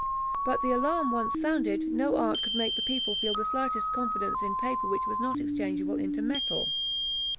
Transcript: But the alarm once sounded, no art could make the people feel the slightest confidence in paper which was not exchangeable into metal.